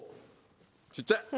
小っちゃい。